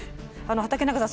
畠中さん